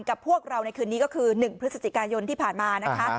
พวกเราในคืนนี้ก็คือ๑พฤศจิกายนที่ผ่านมานะคะ